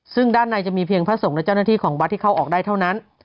ซึ่งด้านในจะมีเพียงพระสงฆ์และเจ้าหน้าที่ของวัดที่เข้าออกได้เท่านั้น